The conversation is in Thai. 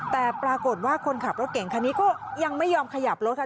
แต่ปรากฏว่าคนขับรถเก่งคันนี้ก็ยังไม่ยอมขยับรถค่ะ